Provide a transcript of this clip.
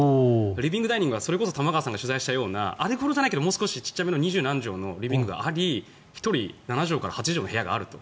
リビングダイニングはそれこそ玉川さんが取材したようなあれほどじゃないけど２０何畳のリビングがあり１人７畳から８畳の部屋があると。